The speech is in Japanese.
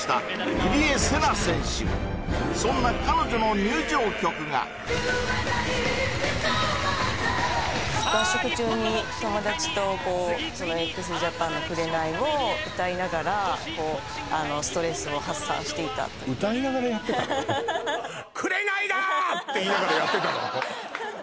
紅に染まったこの俺を合宿中に友達とこうそのＸＪＡＰＡＮの「紅」を歌いながらこうストレスを発散していた歌いながらやってたの？って言いながらやってたの！？